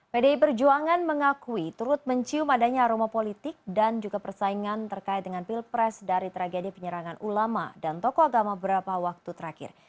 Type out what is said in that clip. pdi perjuangan mengakui turut mencium adanya aroma politik dan juga persaingan terkait dengan pilpres dari tragedi penyerangan ulama dan tokoh agama beberapa waktu terakhir